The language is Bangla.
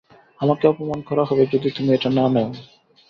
আমাকে অপমান করা হবে যদি তুমি এটা না নেও।